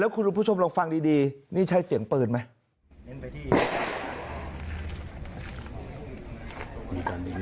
คุณผู้ชมลองฟังดีนี่ใช่เสียงปืนไหม